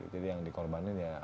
jadi yang dikorbanin ya